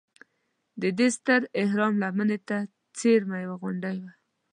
د دې ستر اهرام لمنې ته څېرمه یوه غونډه وه.